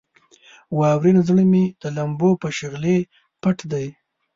واورین زړه مې د لمبو په شغلې پټ دی.